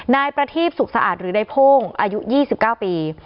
นายประทีปสุขสะอาดหรือในโพ่งอายุ๒๙ปี